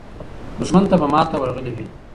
دښمن ته به ماته ورغلې وي.